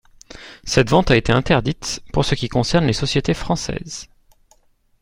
Cette vente a été interdite pour ce qui concerne les sociétés françaises.